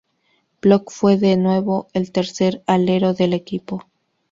Block fue de nuevo el tercer alero del equipo.